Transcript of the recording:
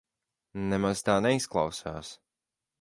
Nemaz tā neizklausās.